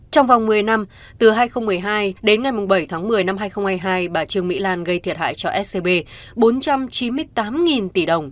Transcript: trong vòng một mươi năm từ hai nghìn một mươi hai đến ngày bảy tháng một mươi năm hai nghìn hai mươi hai bà trương mỹ lan gây thiệt hại cho scb bốn trăm chín mươi tám tỷ đồng